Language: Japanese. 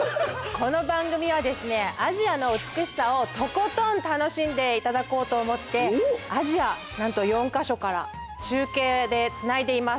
この番組はですねアジアの美しさをとことん楽しんでいただこうと思ってアジアなんと４か所から中継でつないでいます。